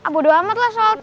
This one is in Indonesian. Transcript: bodoh amat lah soal toko